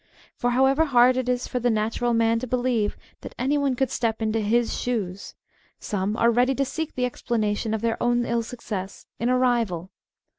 For how ever hard it is for the natural man to believe that j anyone could step into his shoes, some are ready to " J seek the explanation of their own ill success in a rival.